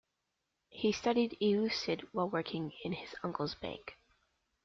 He studied Euclid while working in his uncle's bank.